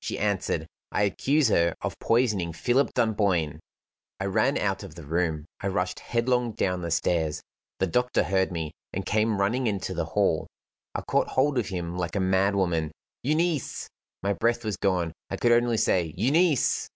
She answered: "I accuse her of poisoning Philip Dunboyne." I ran out of the room; I rushed headlong down the stairs. The doctor heard me, and came running into the hall. I caught hold of him like a madwoman. "Euneece!" My breath was gone; I could only say: "Euneece!"